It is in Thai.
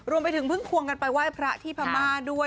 รวมไปถึงเพิ่งควงกันไปไหว้พระที่พม่าด้วย